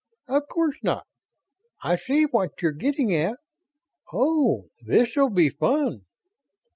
"Of course not. I see what you're getting at.... Oh! This'll be fun!"